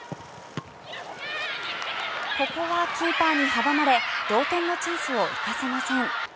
ここはキーパーに阻まれ同点のチャンスを生かせません。